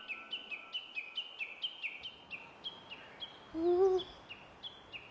うん。